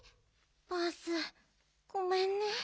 バースごめんね。